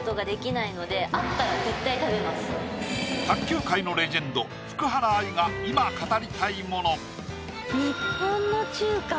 卓球界のレジェンド・福原愛が今語りたいものですね